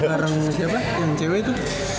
bareng siapa yang cewe itu